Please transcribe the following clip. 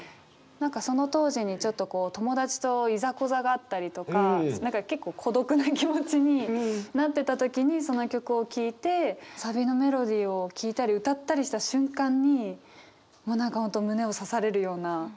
何かその当時にちょっとこう友達といざこざがあったりとか何か結構孤独な気持ちになってた時にその曲を聴いてサビのメロディーを聴いたり歌ったりした瞬間にもう何か本当胸を刺されるような。